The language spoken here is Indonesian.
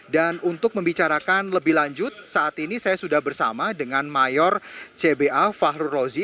dan untuk membicarakan lebih lanjut saat ini saya sudah bersama dengan mayor cba fahru rozi